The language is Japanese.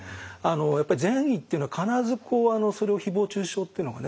やっぱり善意っていうのは必ずそれを誹謗中傷ってのがね